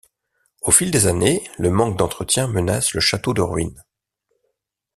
Au fil des années, le manque d'entretien menace le château de ruines.